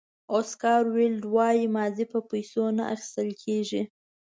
اوسکار ویلډ وایي ماضي په پیسو نه اخیستل کېږي.